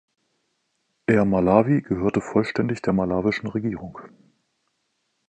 Air Malawi gehörte vollständig der malawischen Regierung.